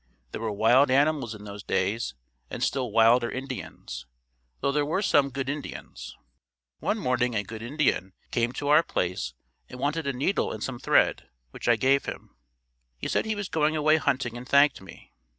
There were wild animals in those days, and still wilder Indians, though there were some "Good Indians." One morning a "Good Indian" came to our place and wanted a needle and some thread, which I gave him. He said he was going away hunting and thanked me.